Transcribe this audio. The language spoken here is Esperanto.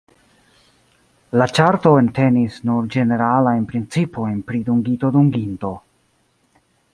La ĉarto entenis nur ĝeneralajn principojn pri dungito-dunginto.